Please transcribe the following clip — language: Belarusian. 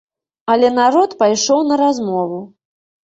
Але народ пайшоў на размову.